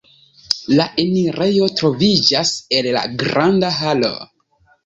La enirejo troviĝas el la granda halo.